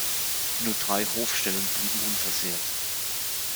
Nur drei Hofstellen blieben unversehrt.